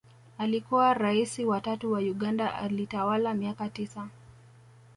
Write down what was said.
Alikua raisi wa tatu wa Uganda alitawala miaka tisa